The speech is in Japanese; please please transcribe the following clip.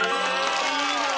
いいな！